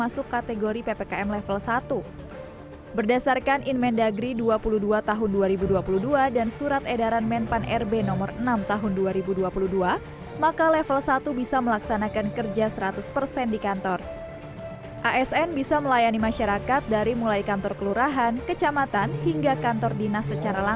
sebelum kerja dikawal